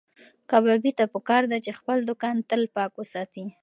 کبابي ته پکار ده چې خپل دوکان تل پاک وساتي.